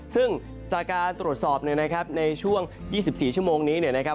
ซึ่งจากการตรวจสอบในช่วง๒๔ชั่วโมงนี้นะครับ